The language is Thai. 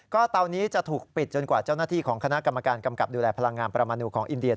เตานี้จะถูกปิดจนกว่าเจ้าหน้าที่ของคณะกรรมการกำกับดูแลพลังงานประมาณนูของอินเดีย